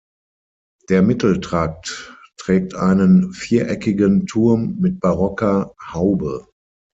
Der Mitteltrakt trägt einen viereckigen Turm mit barocker Haube.